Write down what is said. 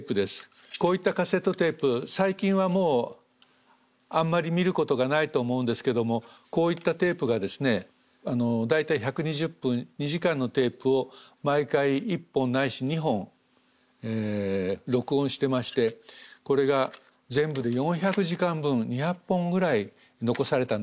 こういったカセットテープ最近はもうあんまり見ることがないと思うんですけどもこういったテープがですね大体１２０分２時間のテープを毎回１本ないし２本録音してましてこれが全部で４００時間分２００本ぐらい残されたんです。